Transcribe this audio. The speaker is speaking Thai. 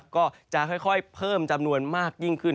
ก็จะค่อยเพิ่มจำนวนมากยิ่งขึ้น